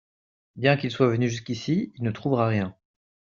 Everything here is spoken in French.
Bien qu'il soit venu jusqu'ici, il ne trouvera rien.